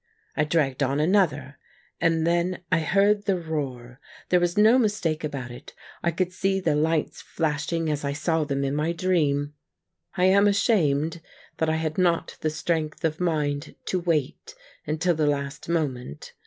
I dragged on another, and then I heard the roar ; thei'e was no mistake about it. I could see the lights flashing as I saw them in my dream. I 81 THE MAGNET am ashamed that I had not the strength of mind to wait until the last moment.